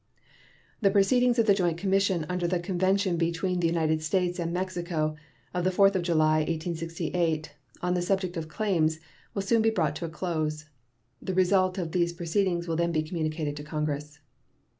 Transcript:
The proceedings of the joint commission under the convention between the United States and Mexico of the 4th of July, 1868, on the subject of claims, will soon be brought to a close. The result of those proceedings will then be communicated to Congress.